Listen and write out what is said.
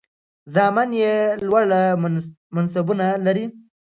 زامن یې لوړ منصبونه لري.